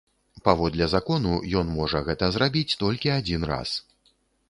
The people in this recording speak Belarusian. Паводле закону ён можа гэта зрабіць толькі адзін раз.